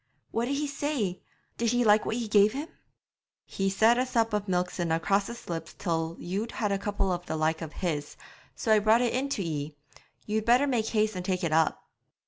'What did he say? Did he like what ye gave him?' 'He said a sup of milk sudna cross his lips till you'd had a cupful the like of his; so I brought it in to ye. You'd better make haste and take it up.'